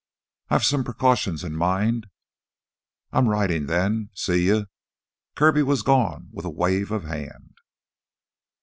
"I've some precautions in mind." "I'm ridin' then. See you." Kirby was gone with a wave of hand.